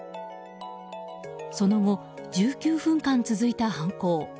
その後１９分間続いた犯行。